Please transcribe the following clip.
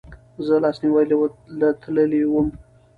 زه لاسنیوې له تلی وم